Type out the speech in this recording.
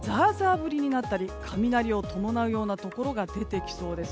降りになったり雷を伴うようなところが出てきそうです。